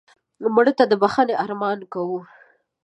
مړه ته د بښنې ارمان کوو